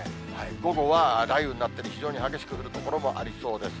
午後は雷雨になったり、非常に激しく降る所もありそうです。